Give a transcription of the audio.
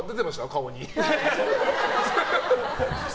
顔に。